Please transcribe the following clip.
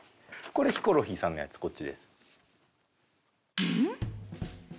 これヒコロヒーさんのやつこっちです。